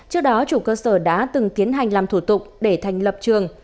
trước đó chủ cơ sở đã từng tiến hành làm thủ tục để thành lập trường